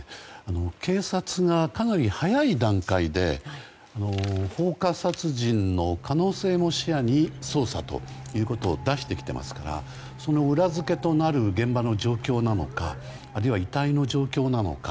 警察がかなり早い段階で放火殺人の可能性も視野に捜査ということを出してきていますからその裏付けとなる現場の状況なのかあるいは遺体の状況なのか。